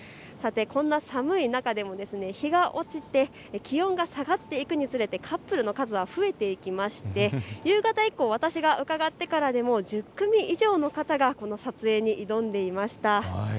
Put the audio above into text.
こんな寒い中でも日が落ちて気温が下がっていくにつれてカップルの数は増えていきまして夕方以降、私が伺ってからは１０組以上の方が撮影に挑んでいました。